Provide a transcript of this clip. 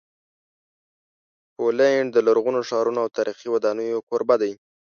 پولینډ د لرغونو ښارونو او تاریخي ودانیو کوربه دی.